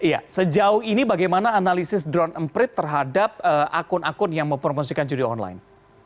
iya sejauh ini bagaimana analisis drone emprit terhadap akun akun yang mempromosikan judi online